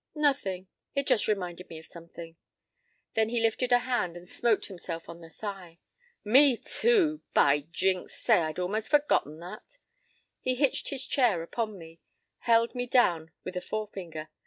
p> "Nothing. It just reminded me of something." Then he lifted a hand and smote himself on the thigh. "Me, too! By jinks! Say, I'd almost forgot that." He hitched his chair upon me; held me down with a forefinger.